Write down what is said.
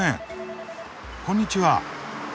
こんにちは。